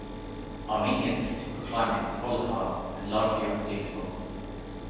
Armenia's political climate is volatile and largely unpredictable.